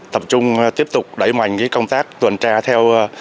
tập trung tiếp tục đẩy mạnh công tác tuần tra theo